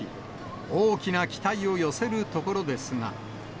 大きな期待を寄せるところですが。